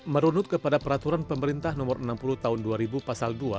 merunut kepada peraturan pemerintah nomor enam puluh tahun dua ribu pasal dua